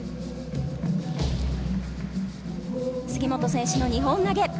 杉本選手の２本投げ。